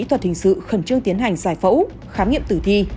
thuật hình sự khẩn trương tiến hành giải phẫu khám nghiệm tử thi